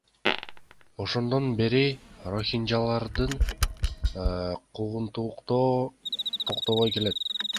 Ошондон бери рохинжаларды куугунтуктоо токтобой келет.